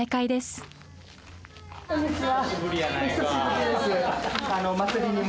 こんにちは。